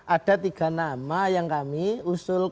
ada tiga nama yang kami pilih yang pertama adalah